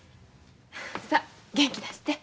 さあ元気出して。